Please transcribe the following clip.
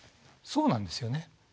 そうなんですよね。